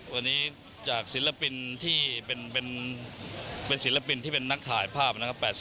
วันนี้จากศิลปินที่เป็นนักถ่ายภาพ๘๙